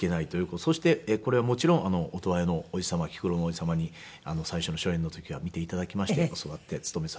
そしてこれはもちろん音羽屋のおじ様菊五郎のおじ様に最初の初演の時は見て頂きまして教わって勤めさせて。